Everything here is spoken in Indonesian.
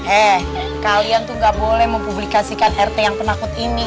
eh kalian tuh gak boleh mempublikasikan rt yang penakut ini